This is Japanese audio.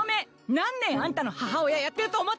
何年あんたの母親やってると思ってんの！